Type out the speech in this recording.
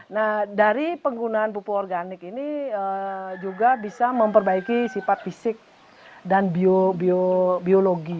nah dari penggunaan pupuk organik ini juga bisa memperbaiki sifat fisik dan biologi